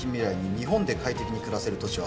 「日本で快適に暮らせる土地は」